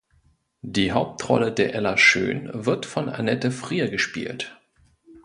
Die Hauptrolle der Ella Schön wird von Annette Frier gespielt.